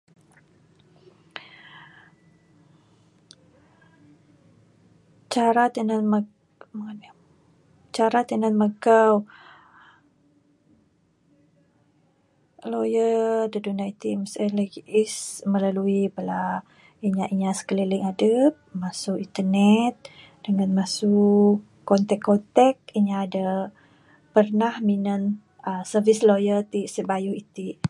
Cara tinan me...mungnih..cara tinan megau...,lawyer de dunia itik mung sien legi [issh] melalui bala inya-inya sekeliling edep, mesu internet, dengan mesu kontek-kontek inya de, pernah minan uhh service lawyer tik, sibayuh itik.